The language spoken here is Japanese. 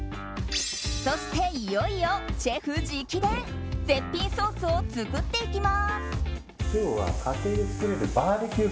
そして、いよいよシェフ直伝絶品ソースを作っていきます。